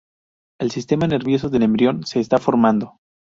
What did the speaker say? El sistema nervioso del embrión se está formando.